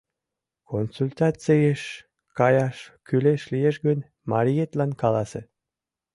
Консультацийыш каяш кӱлеш лиеш гын, мариетлан каласе.